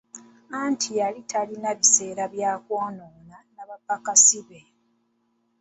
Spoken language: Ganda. Anti yali talina biseera bya kwonoona na bapakasi be.